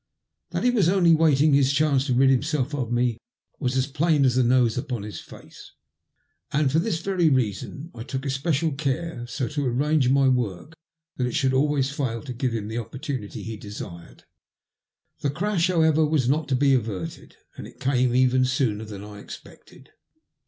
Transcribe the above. That he was only waiting his chance to rid himself of me was as plain as the nose upon his face, and for this very reason I took especial care so to arrange my work that it should always fail to give him the opportunity he desired. The crash, however, was not to be averted, and it came even sooner than I expected.